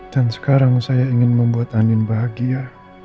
dan sekarang saya ingin membuat andin bahagia